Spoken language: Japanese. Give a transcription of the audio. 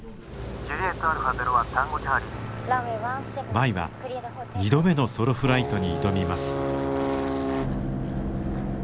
舞は２度目のソロフライトに挑みます。